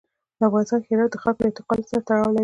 په افغانستان کې هرات د خلکو له اعتقاداتو سره تړاو لري.